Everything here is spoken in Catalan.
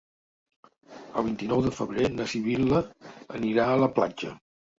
El vint-i-nou de febrer na Sibil·la anirà a la platja.